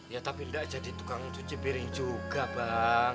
ya tapi enggak jadi tukang cuci piring juga bang